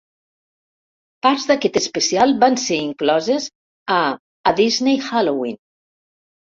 Parts d'aquest especial van ser incloses a "A Disney Halloween".